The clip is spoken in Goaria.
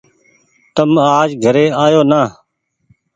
تم آج گهري آيو نآ ۔